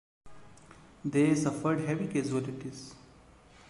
They suffered heavy casualties.